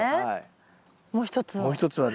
もう一つは？